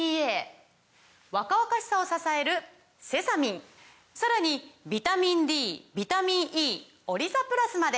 若々しさを支えるセサミンさらにビタミンＤビタミンＥオリザプラスまで！